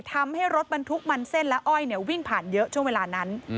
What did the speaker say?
ทำให้รถบรรทุกมันเส้นและอ้อยวิ่งผ่านเยอะช่วงเวลานั้น